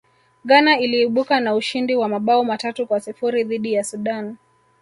ghana iliibuka na ushindi wa mabao matatu kwa sifuri dhidi ya sudan